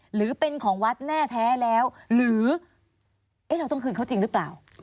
หรือเป็นของวัดแน่แท้แล้วหรือเราต้องคืนเขาจริงหรือเปล่า